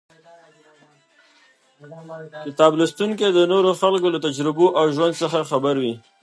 کتاب لوستونکی د نورو خلکو له تجربو او ژوند څخه خبروي.